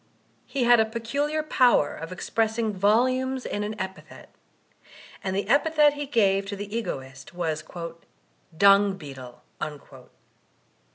He had a peculiar power of expressing volumes in an epithet ; and the epithet he gave to the Egoist was '"Dung Beetle."